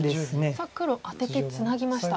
さあ黒アテてツナぎました。